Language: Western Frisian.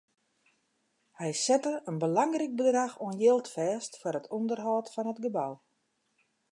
Hy sette in belangryk bedrach oan jild fêst foar it ûnderhâld fan it gebou.